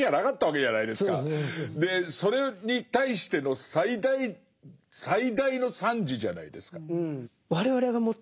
それに対しての最大最大の賛辞じゃないですか。